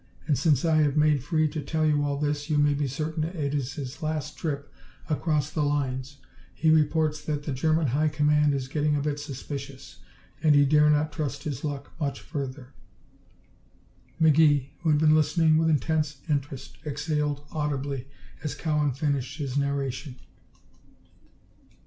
And since I have made free to tell you all this, you may be certain it is his last trip across the lines. He reports that the German High Command is getting a bit suspicious, and he dare not trust his luck much further." McGee, who had been listening with intense interest, exhaled audibly as Cowan finished his narration.